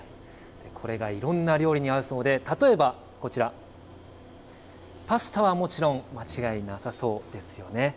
これがいろんな料理に合うそうで、例えばこちら、パスタはもちろん、間違いなさそうですよね。